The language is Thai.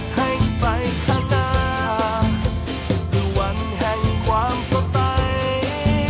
ให้ไปข้างหน้าคือวันแห่งความสดใส